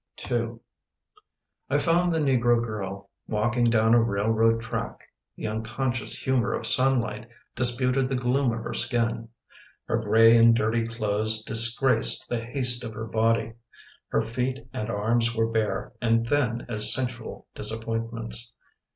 n 1 FOUND the negro girl Walking down a railroad track. The unconscious humour of sunlight Disputed the gloom of her skin. Her gray and dirty clothes Disgraced the haste of her body. Her feet and arms were bare And thin as sensual disappointments.